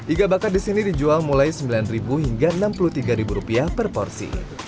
iga bakar di sini dijual mulai rp sembilan hingga rp enam puluh tiga per porsi